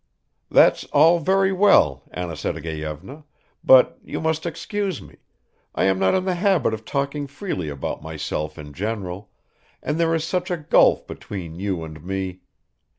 "That's all very well, Anna Sergeyevna, but you must excuse me ... I am not in the habit of talking freely about myself in general, and there is such a gulf between you and me